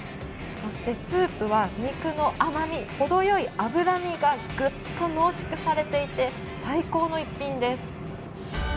そしてスープは肉の甘み、ほどよい脂身がぐっと濃縮されていて最高の一品です。